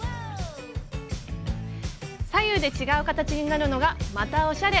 左右で違う形になるのがまたおしゃれ。